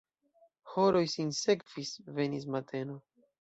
Horoj sinsekvis, venis mateno.